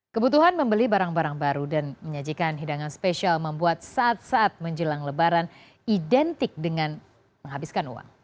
kebutuhan membeli barang barang baru dan menyajikan hidangan spesial membuat saat saat menjelang lebaran identik dengan menghabiskan uang